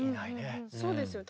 そうですよ。